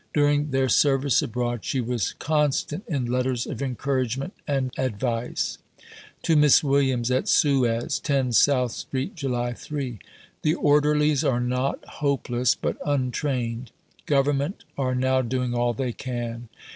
During their service abroad, she was constant in letters of encouragement and advice: (To Miss Williams, at SUEZ.) 10 SOUTH STREET, July 3.... The Orderlies are not hopeless but untrained. Government are now doing all they can.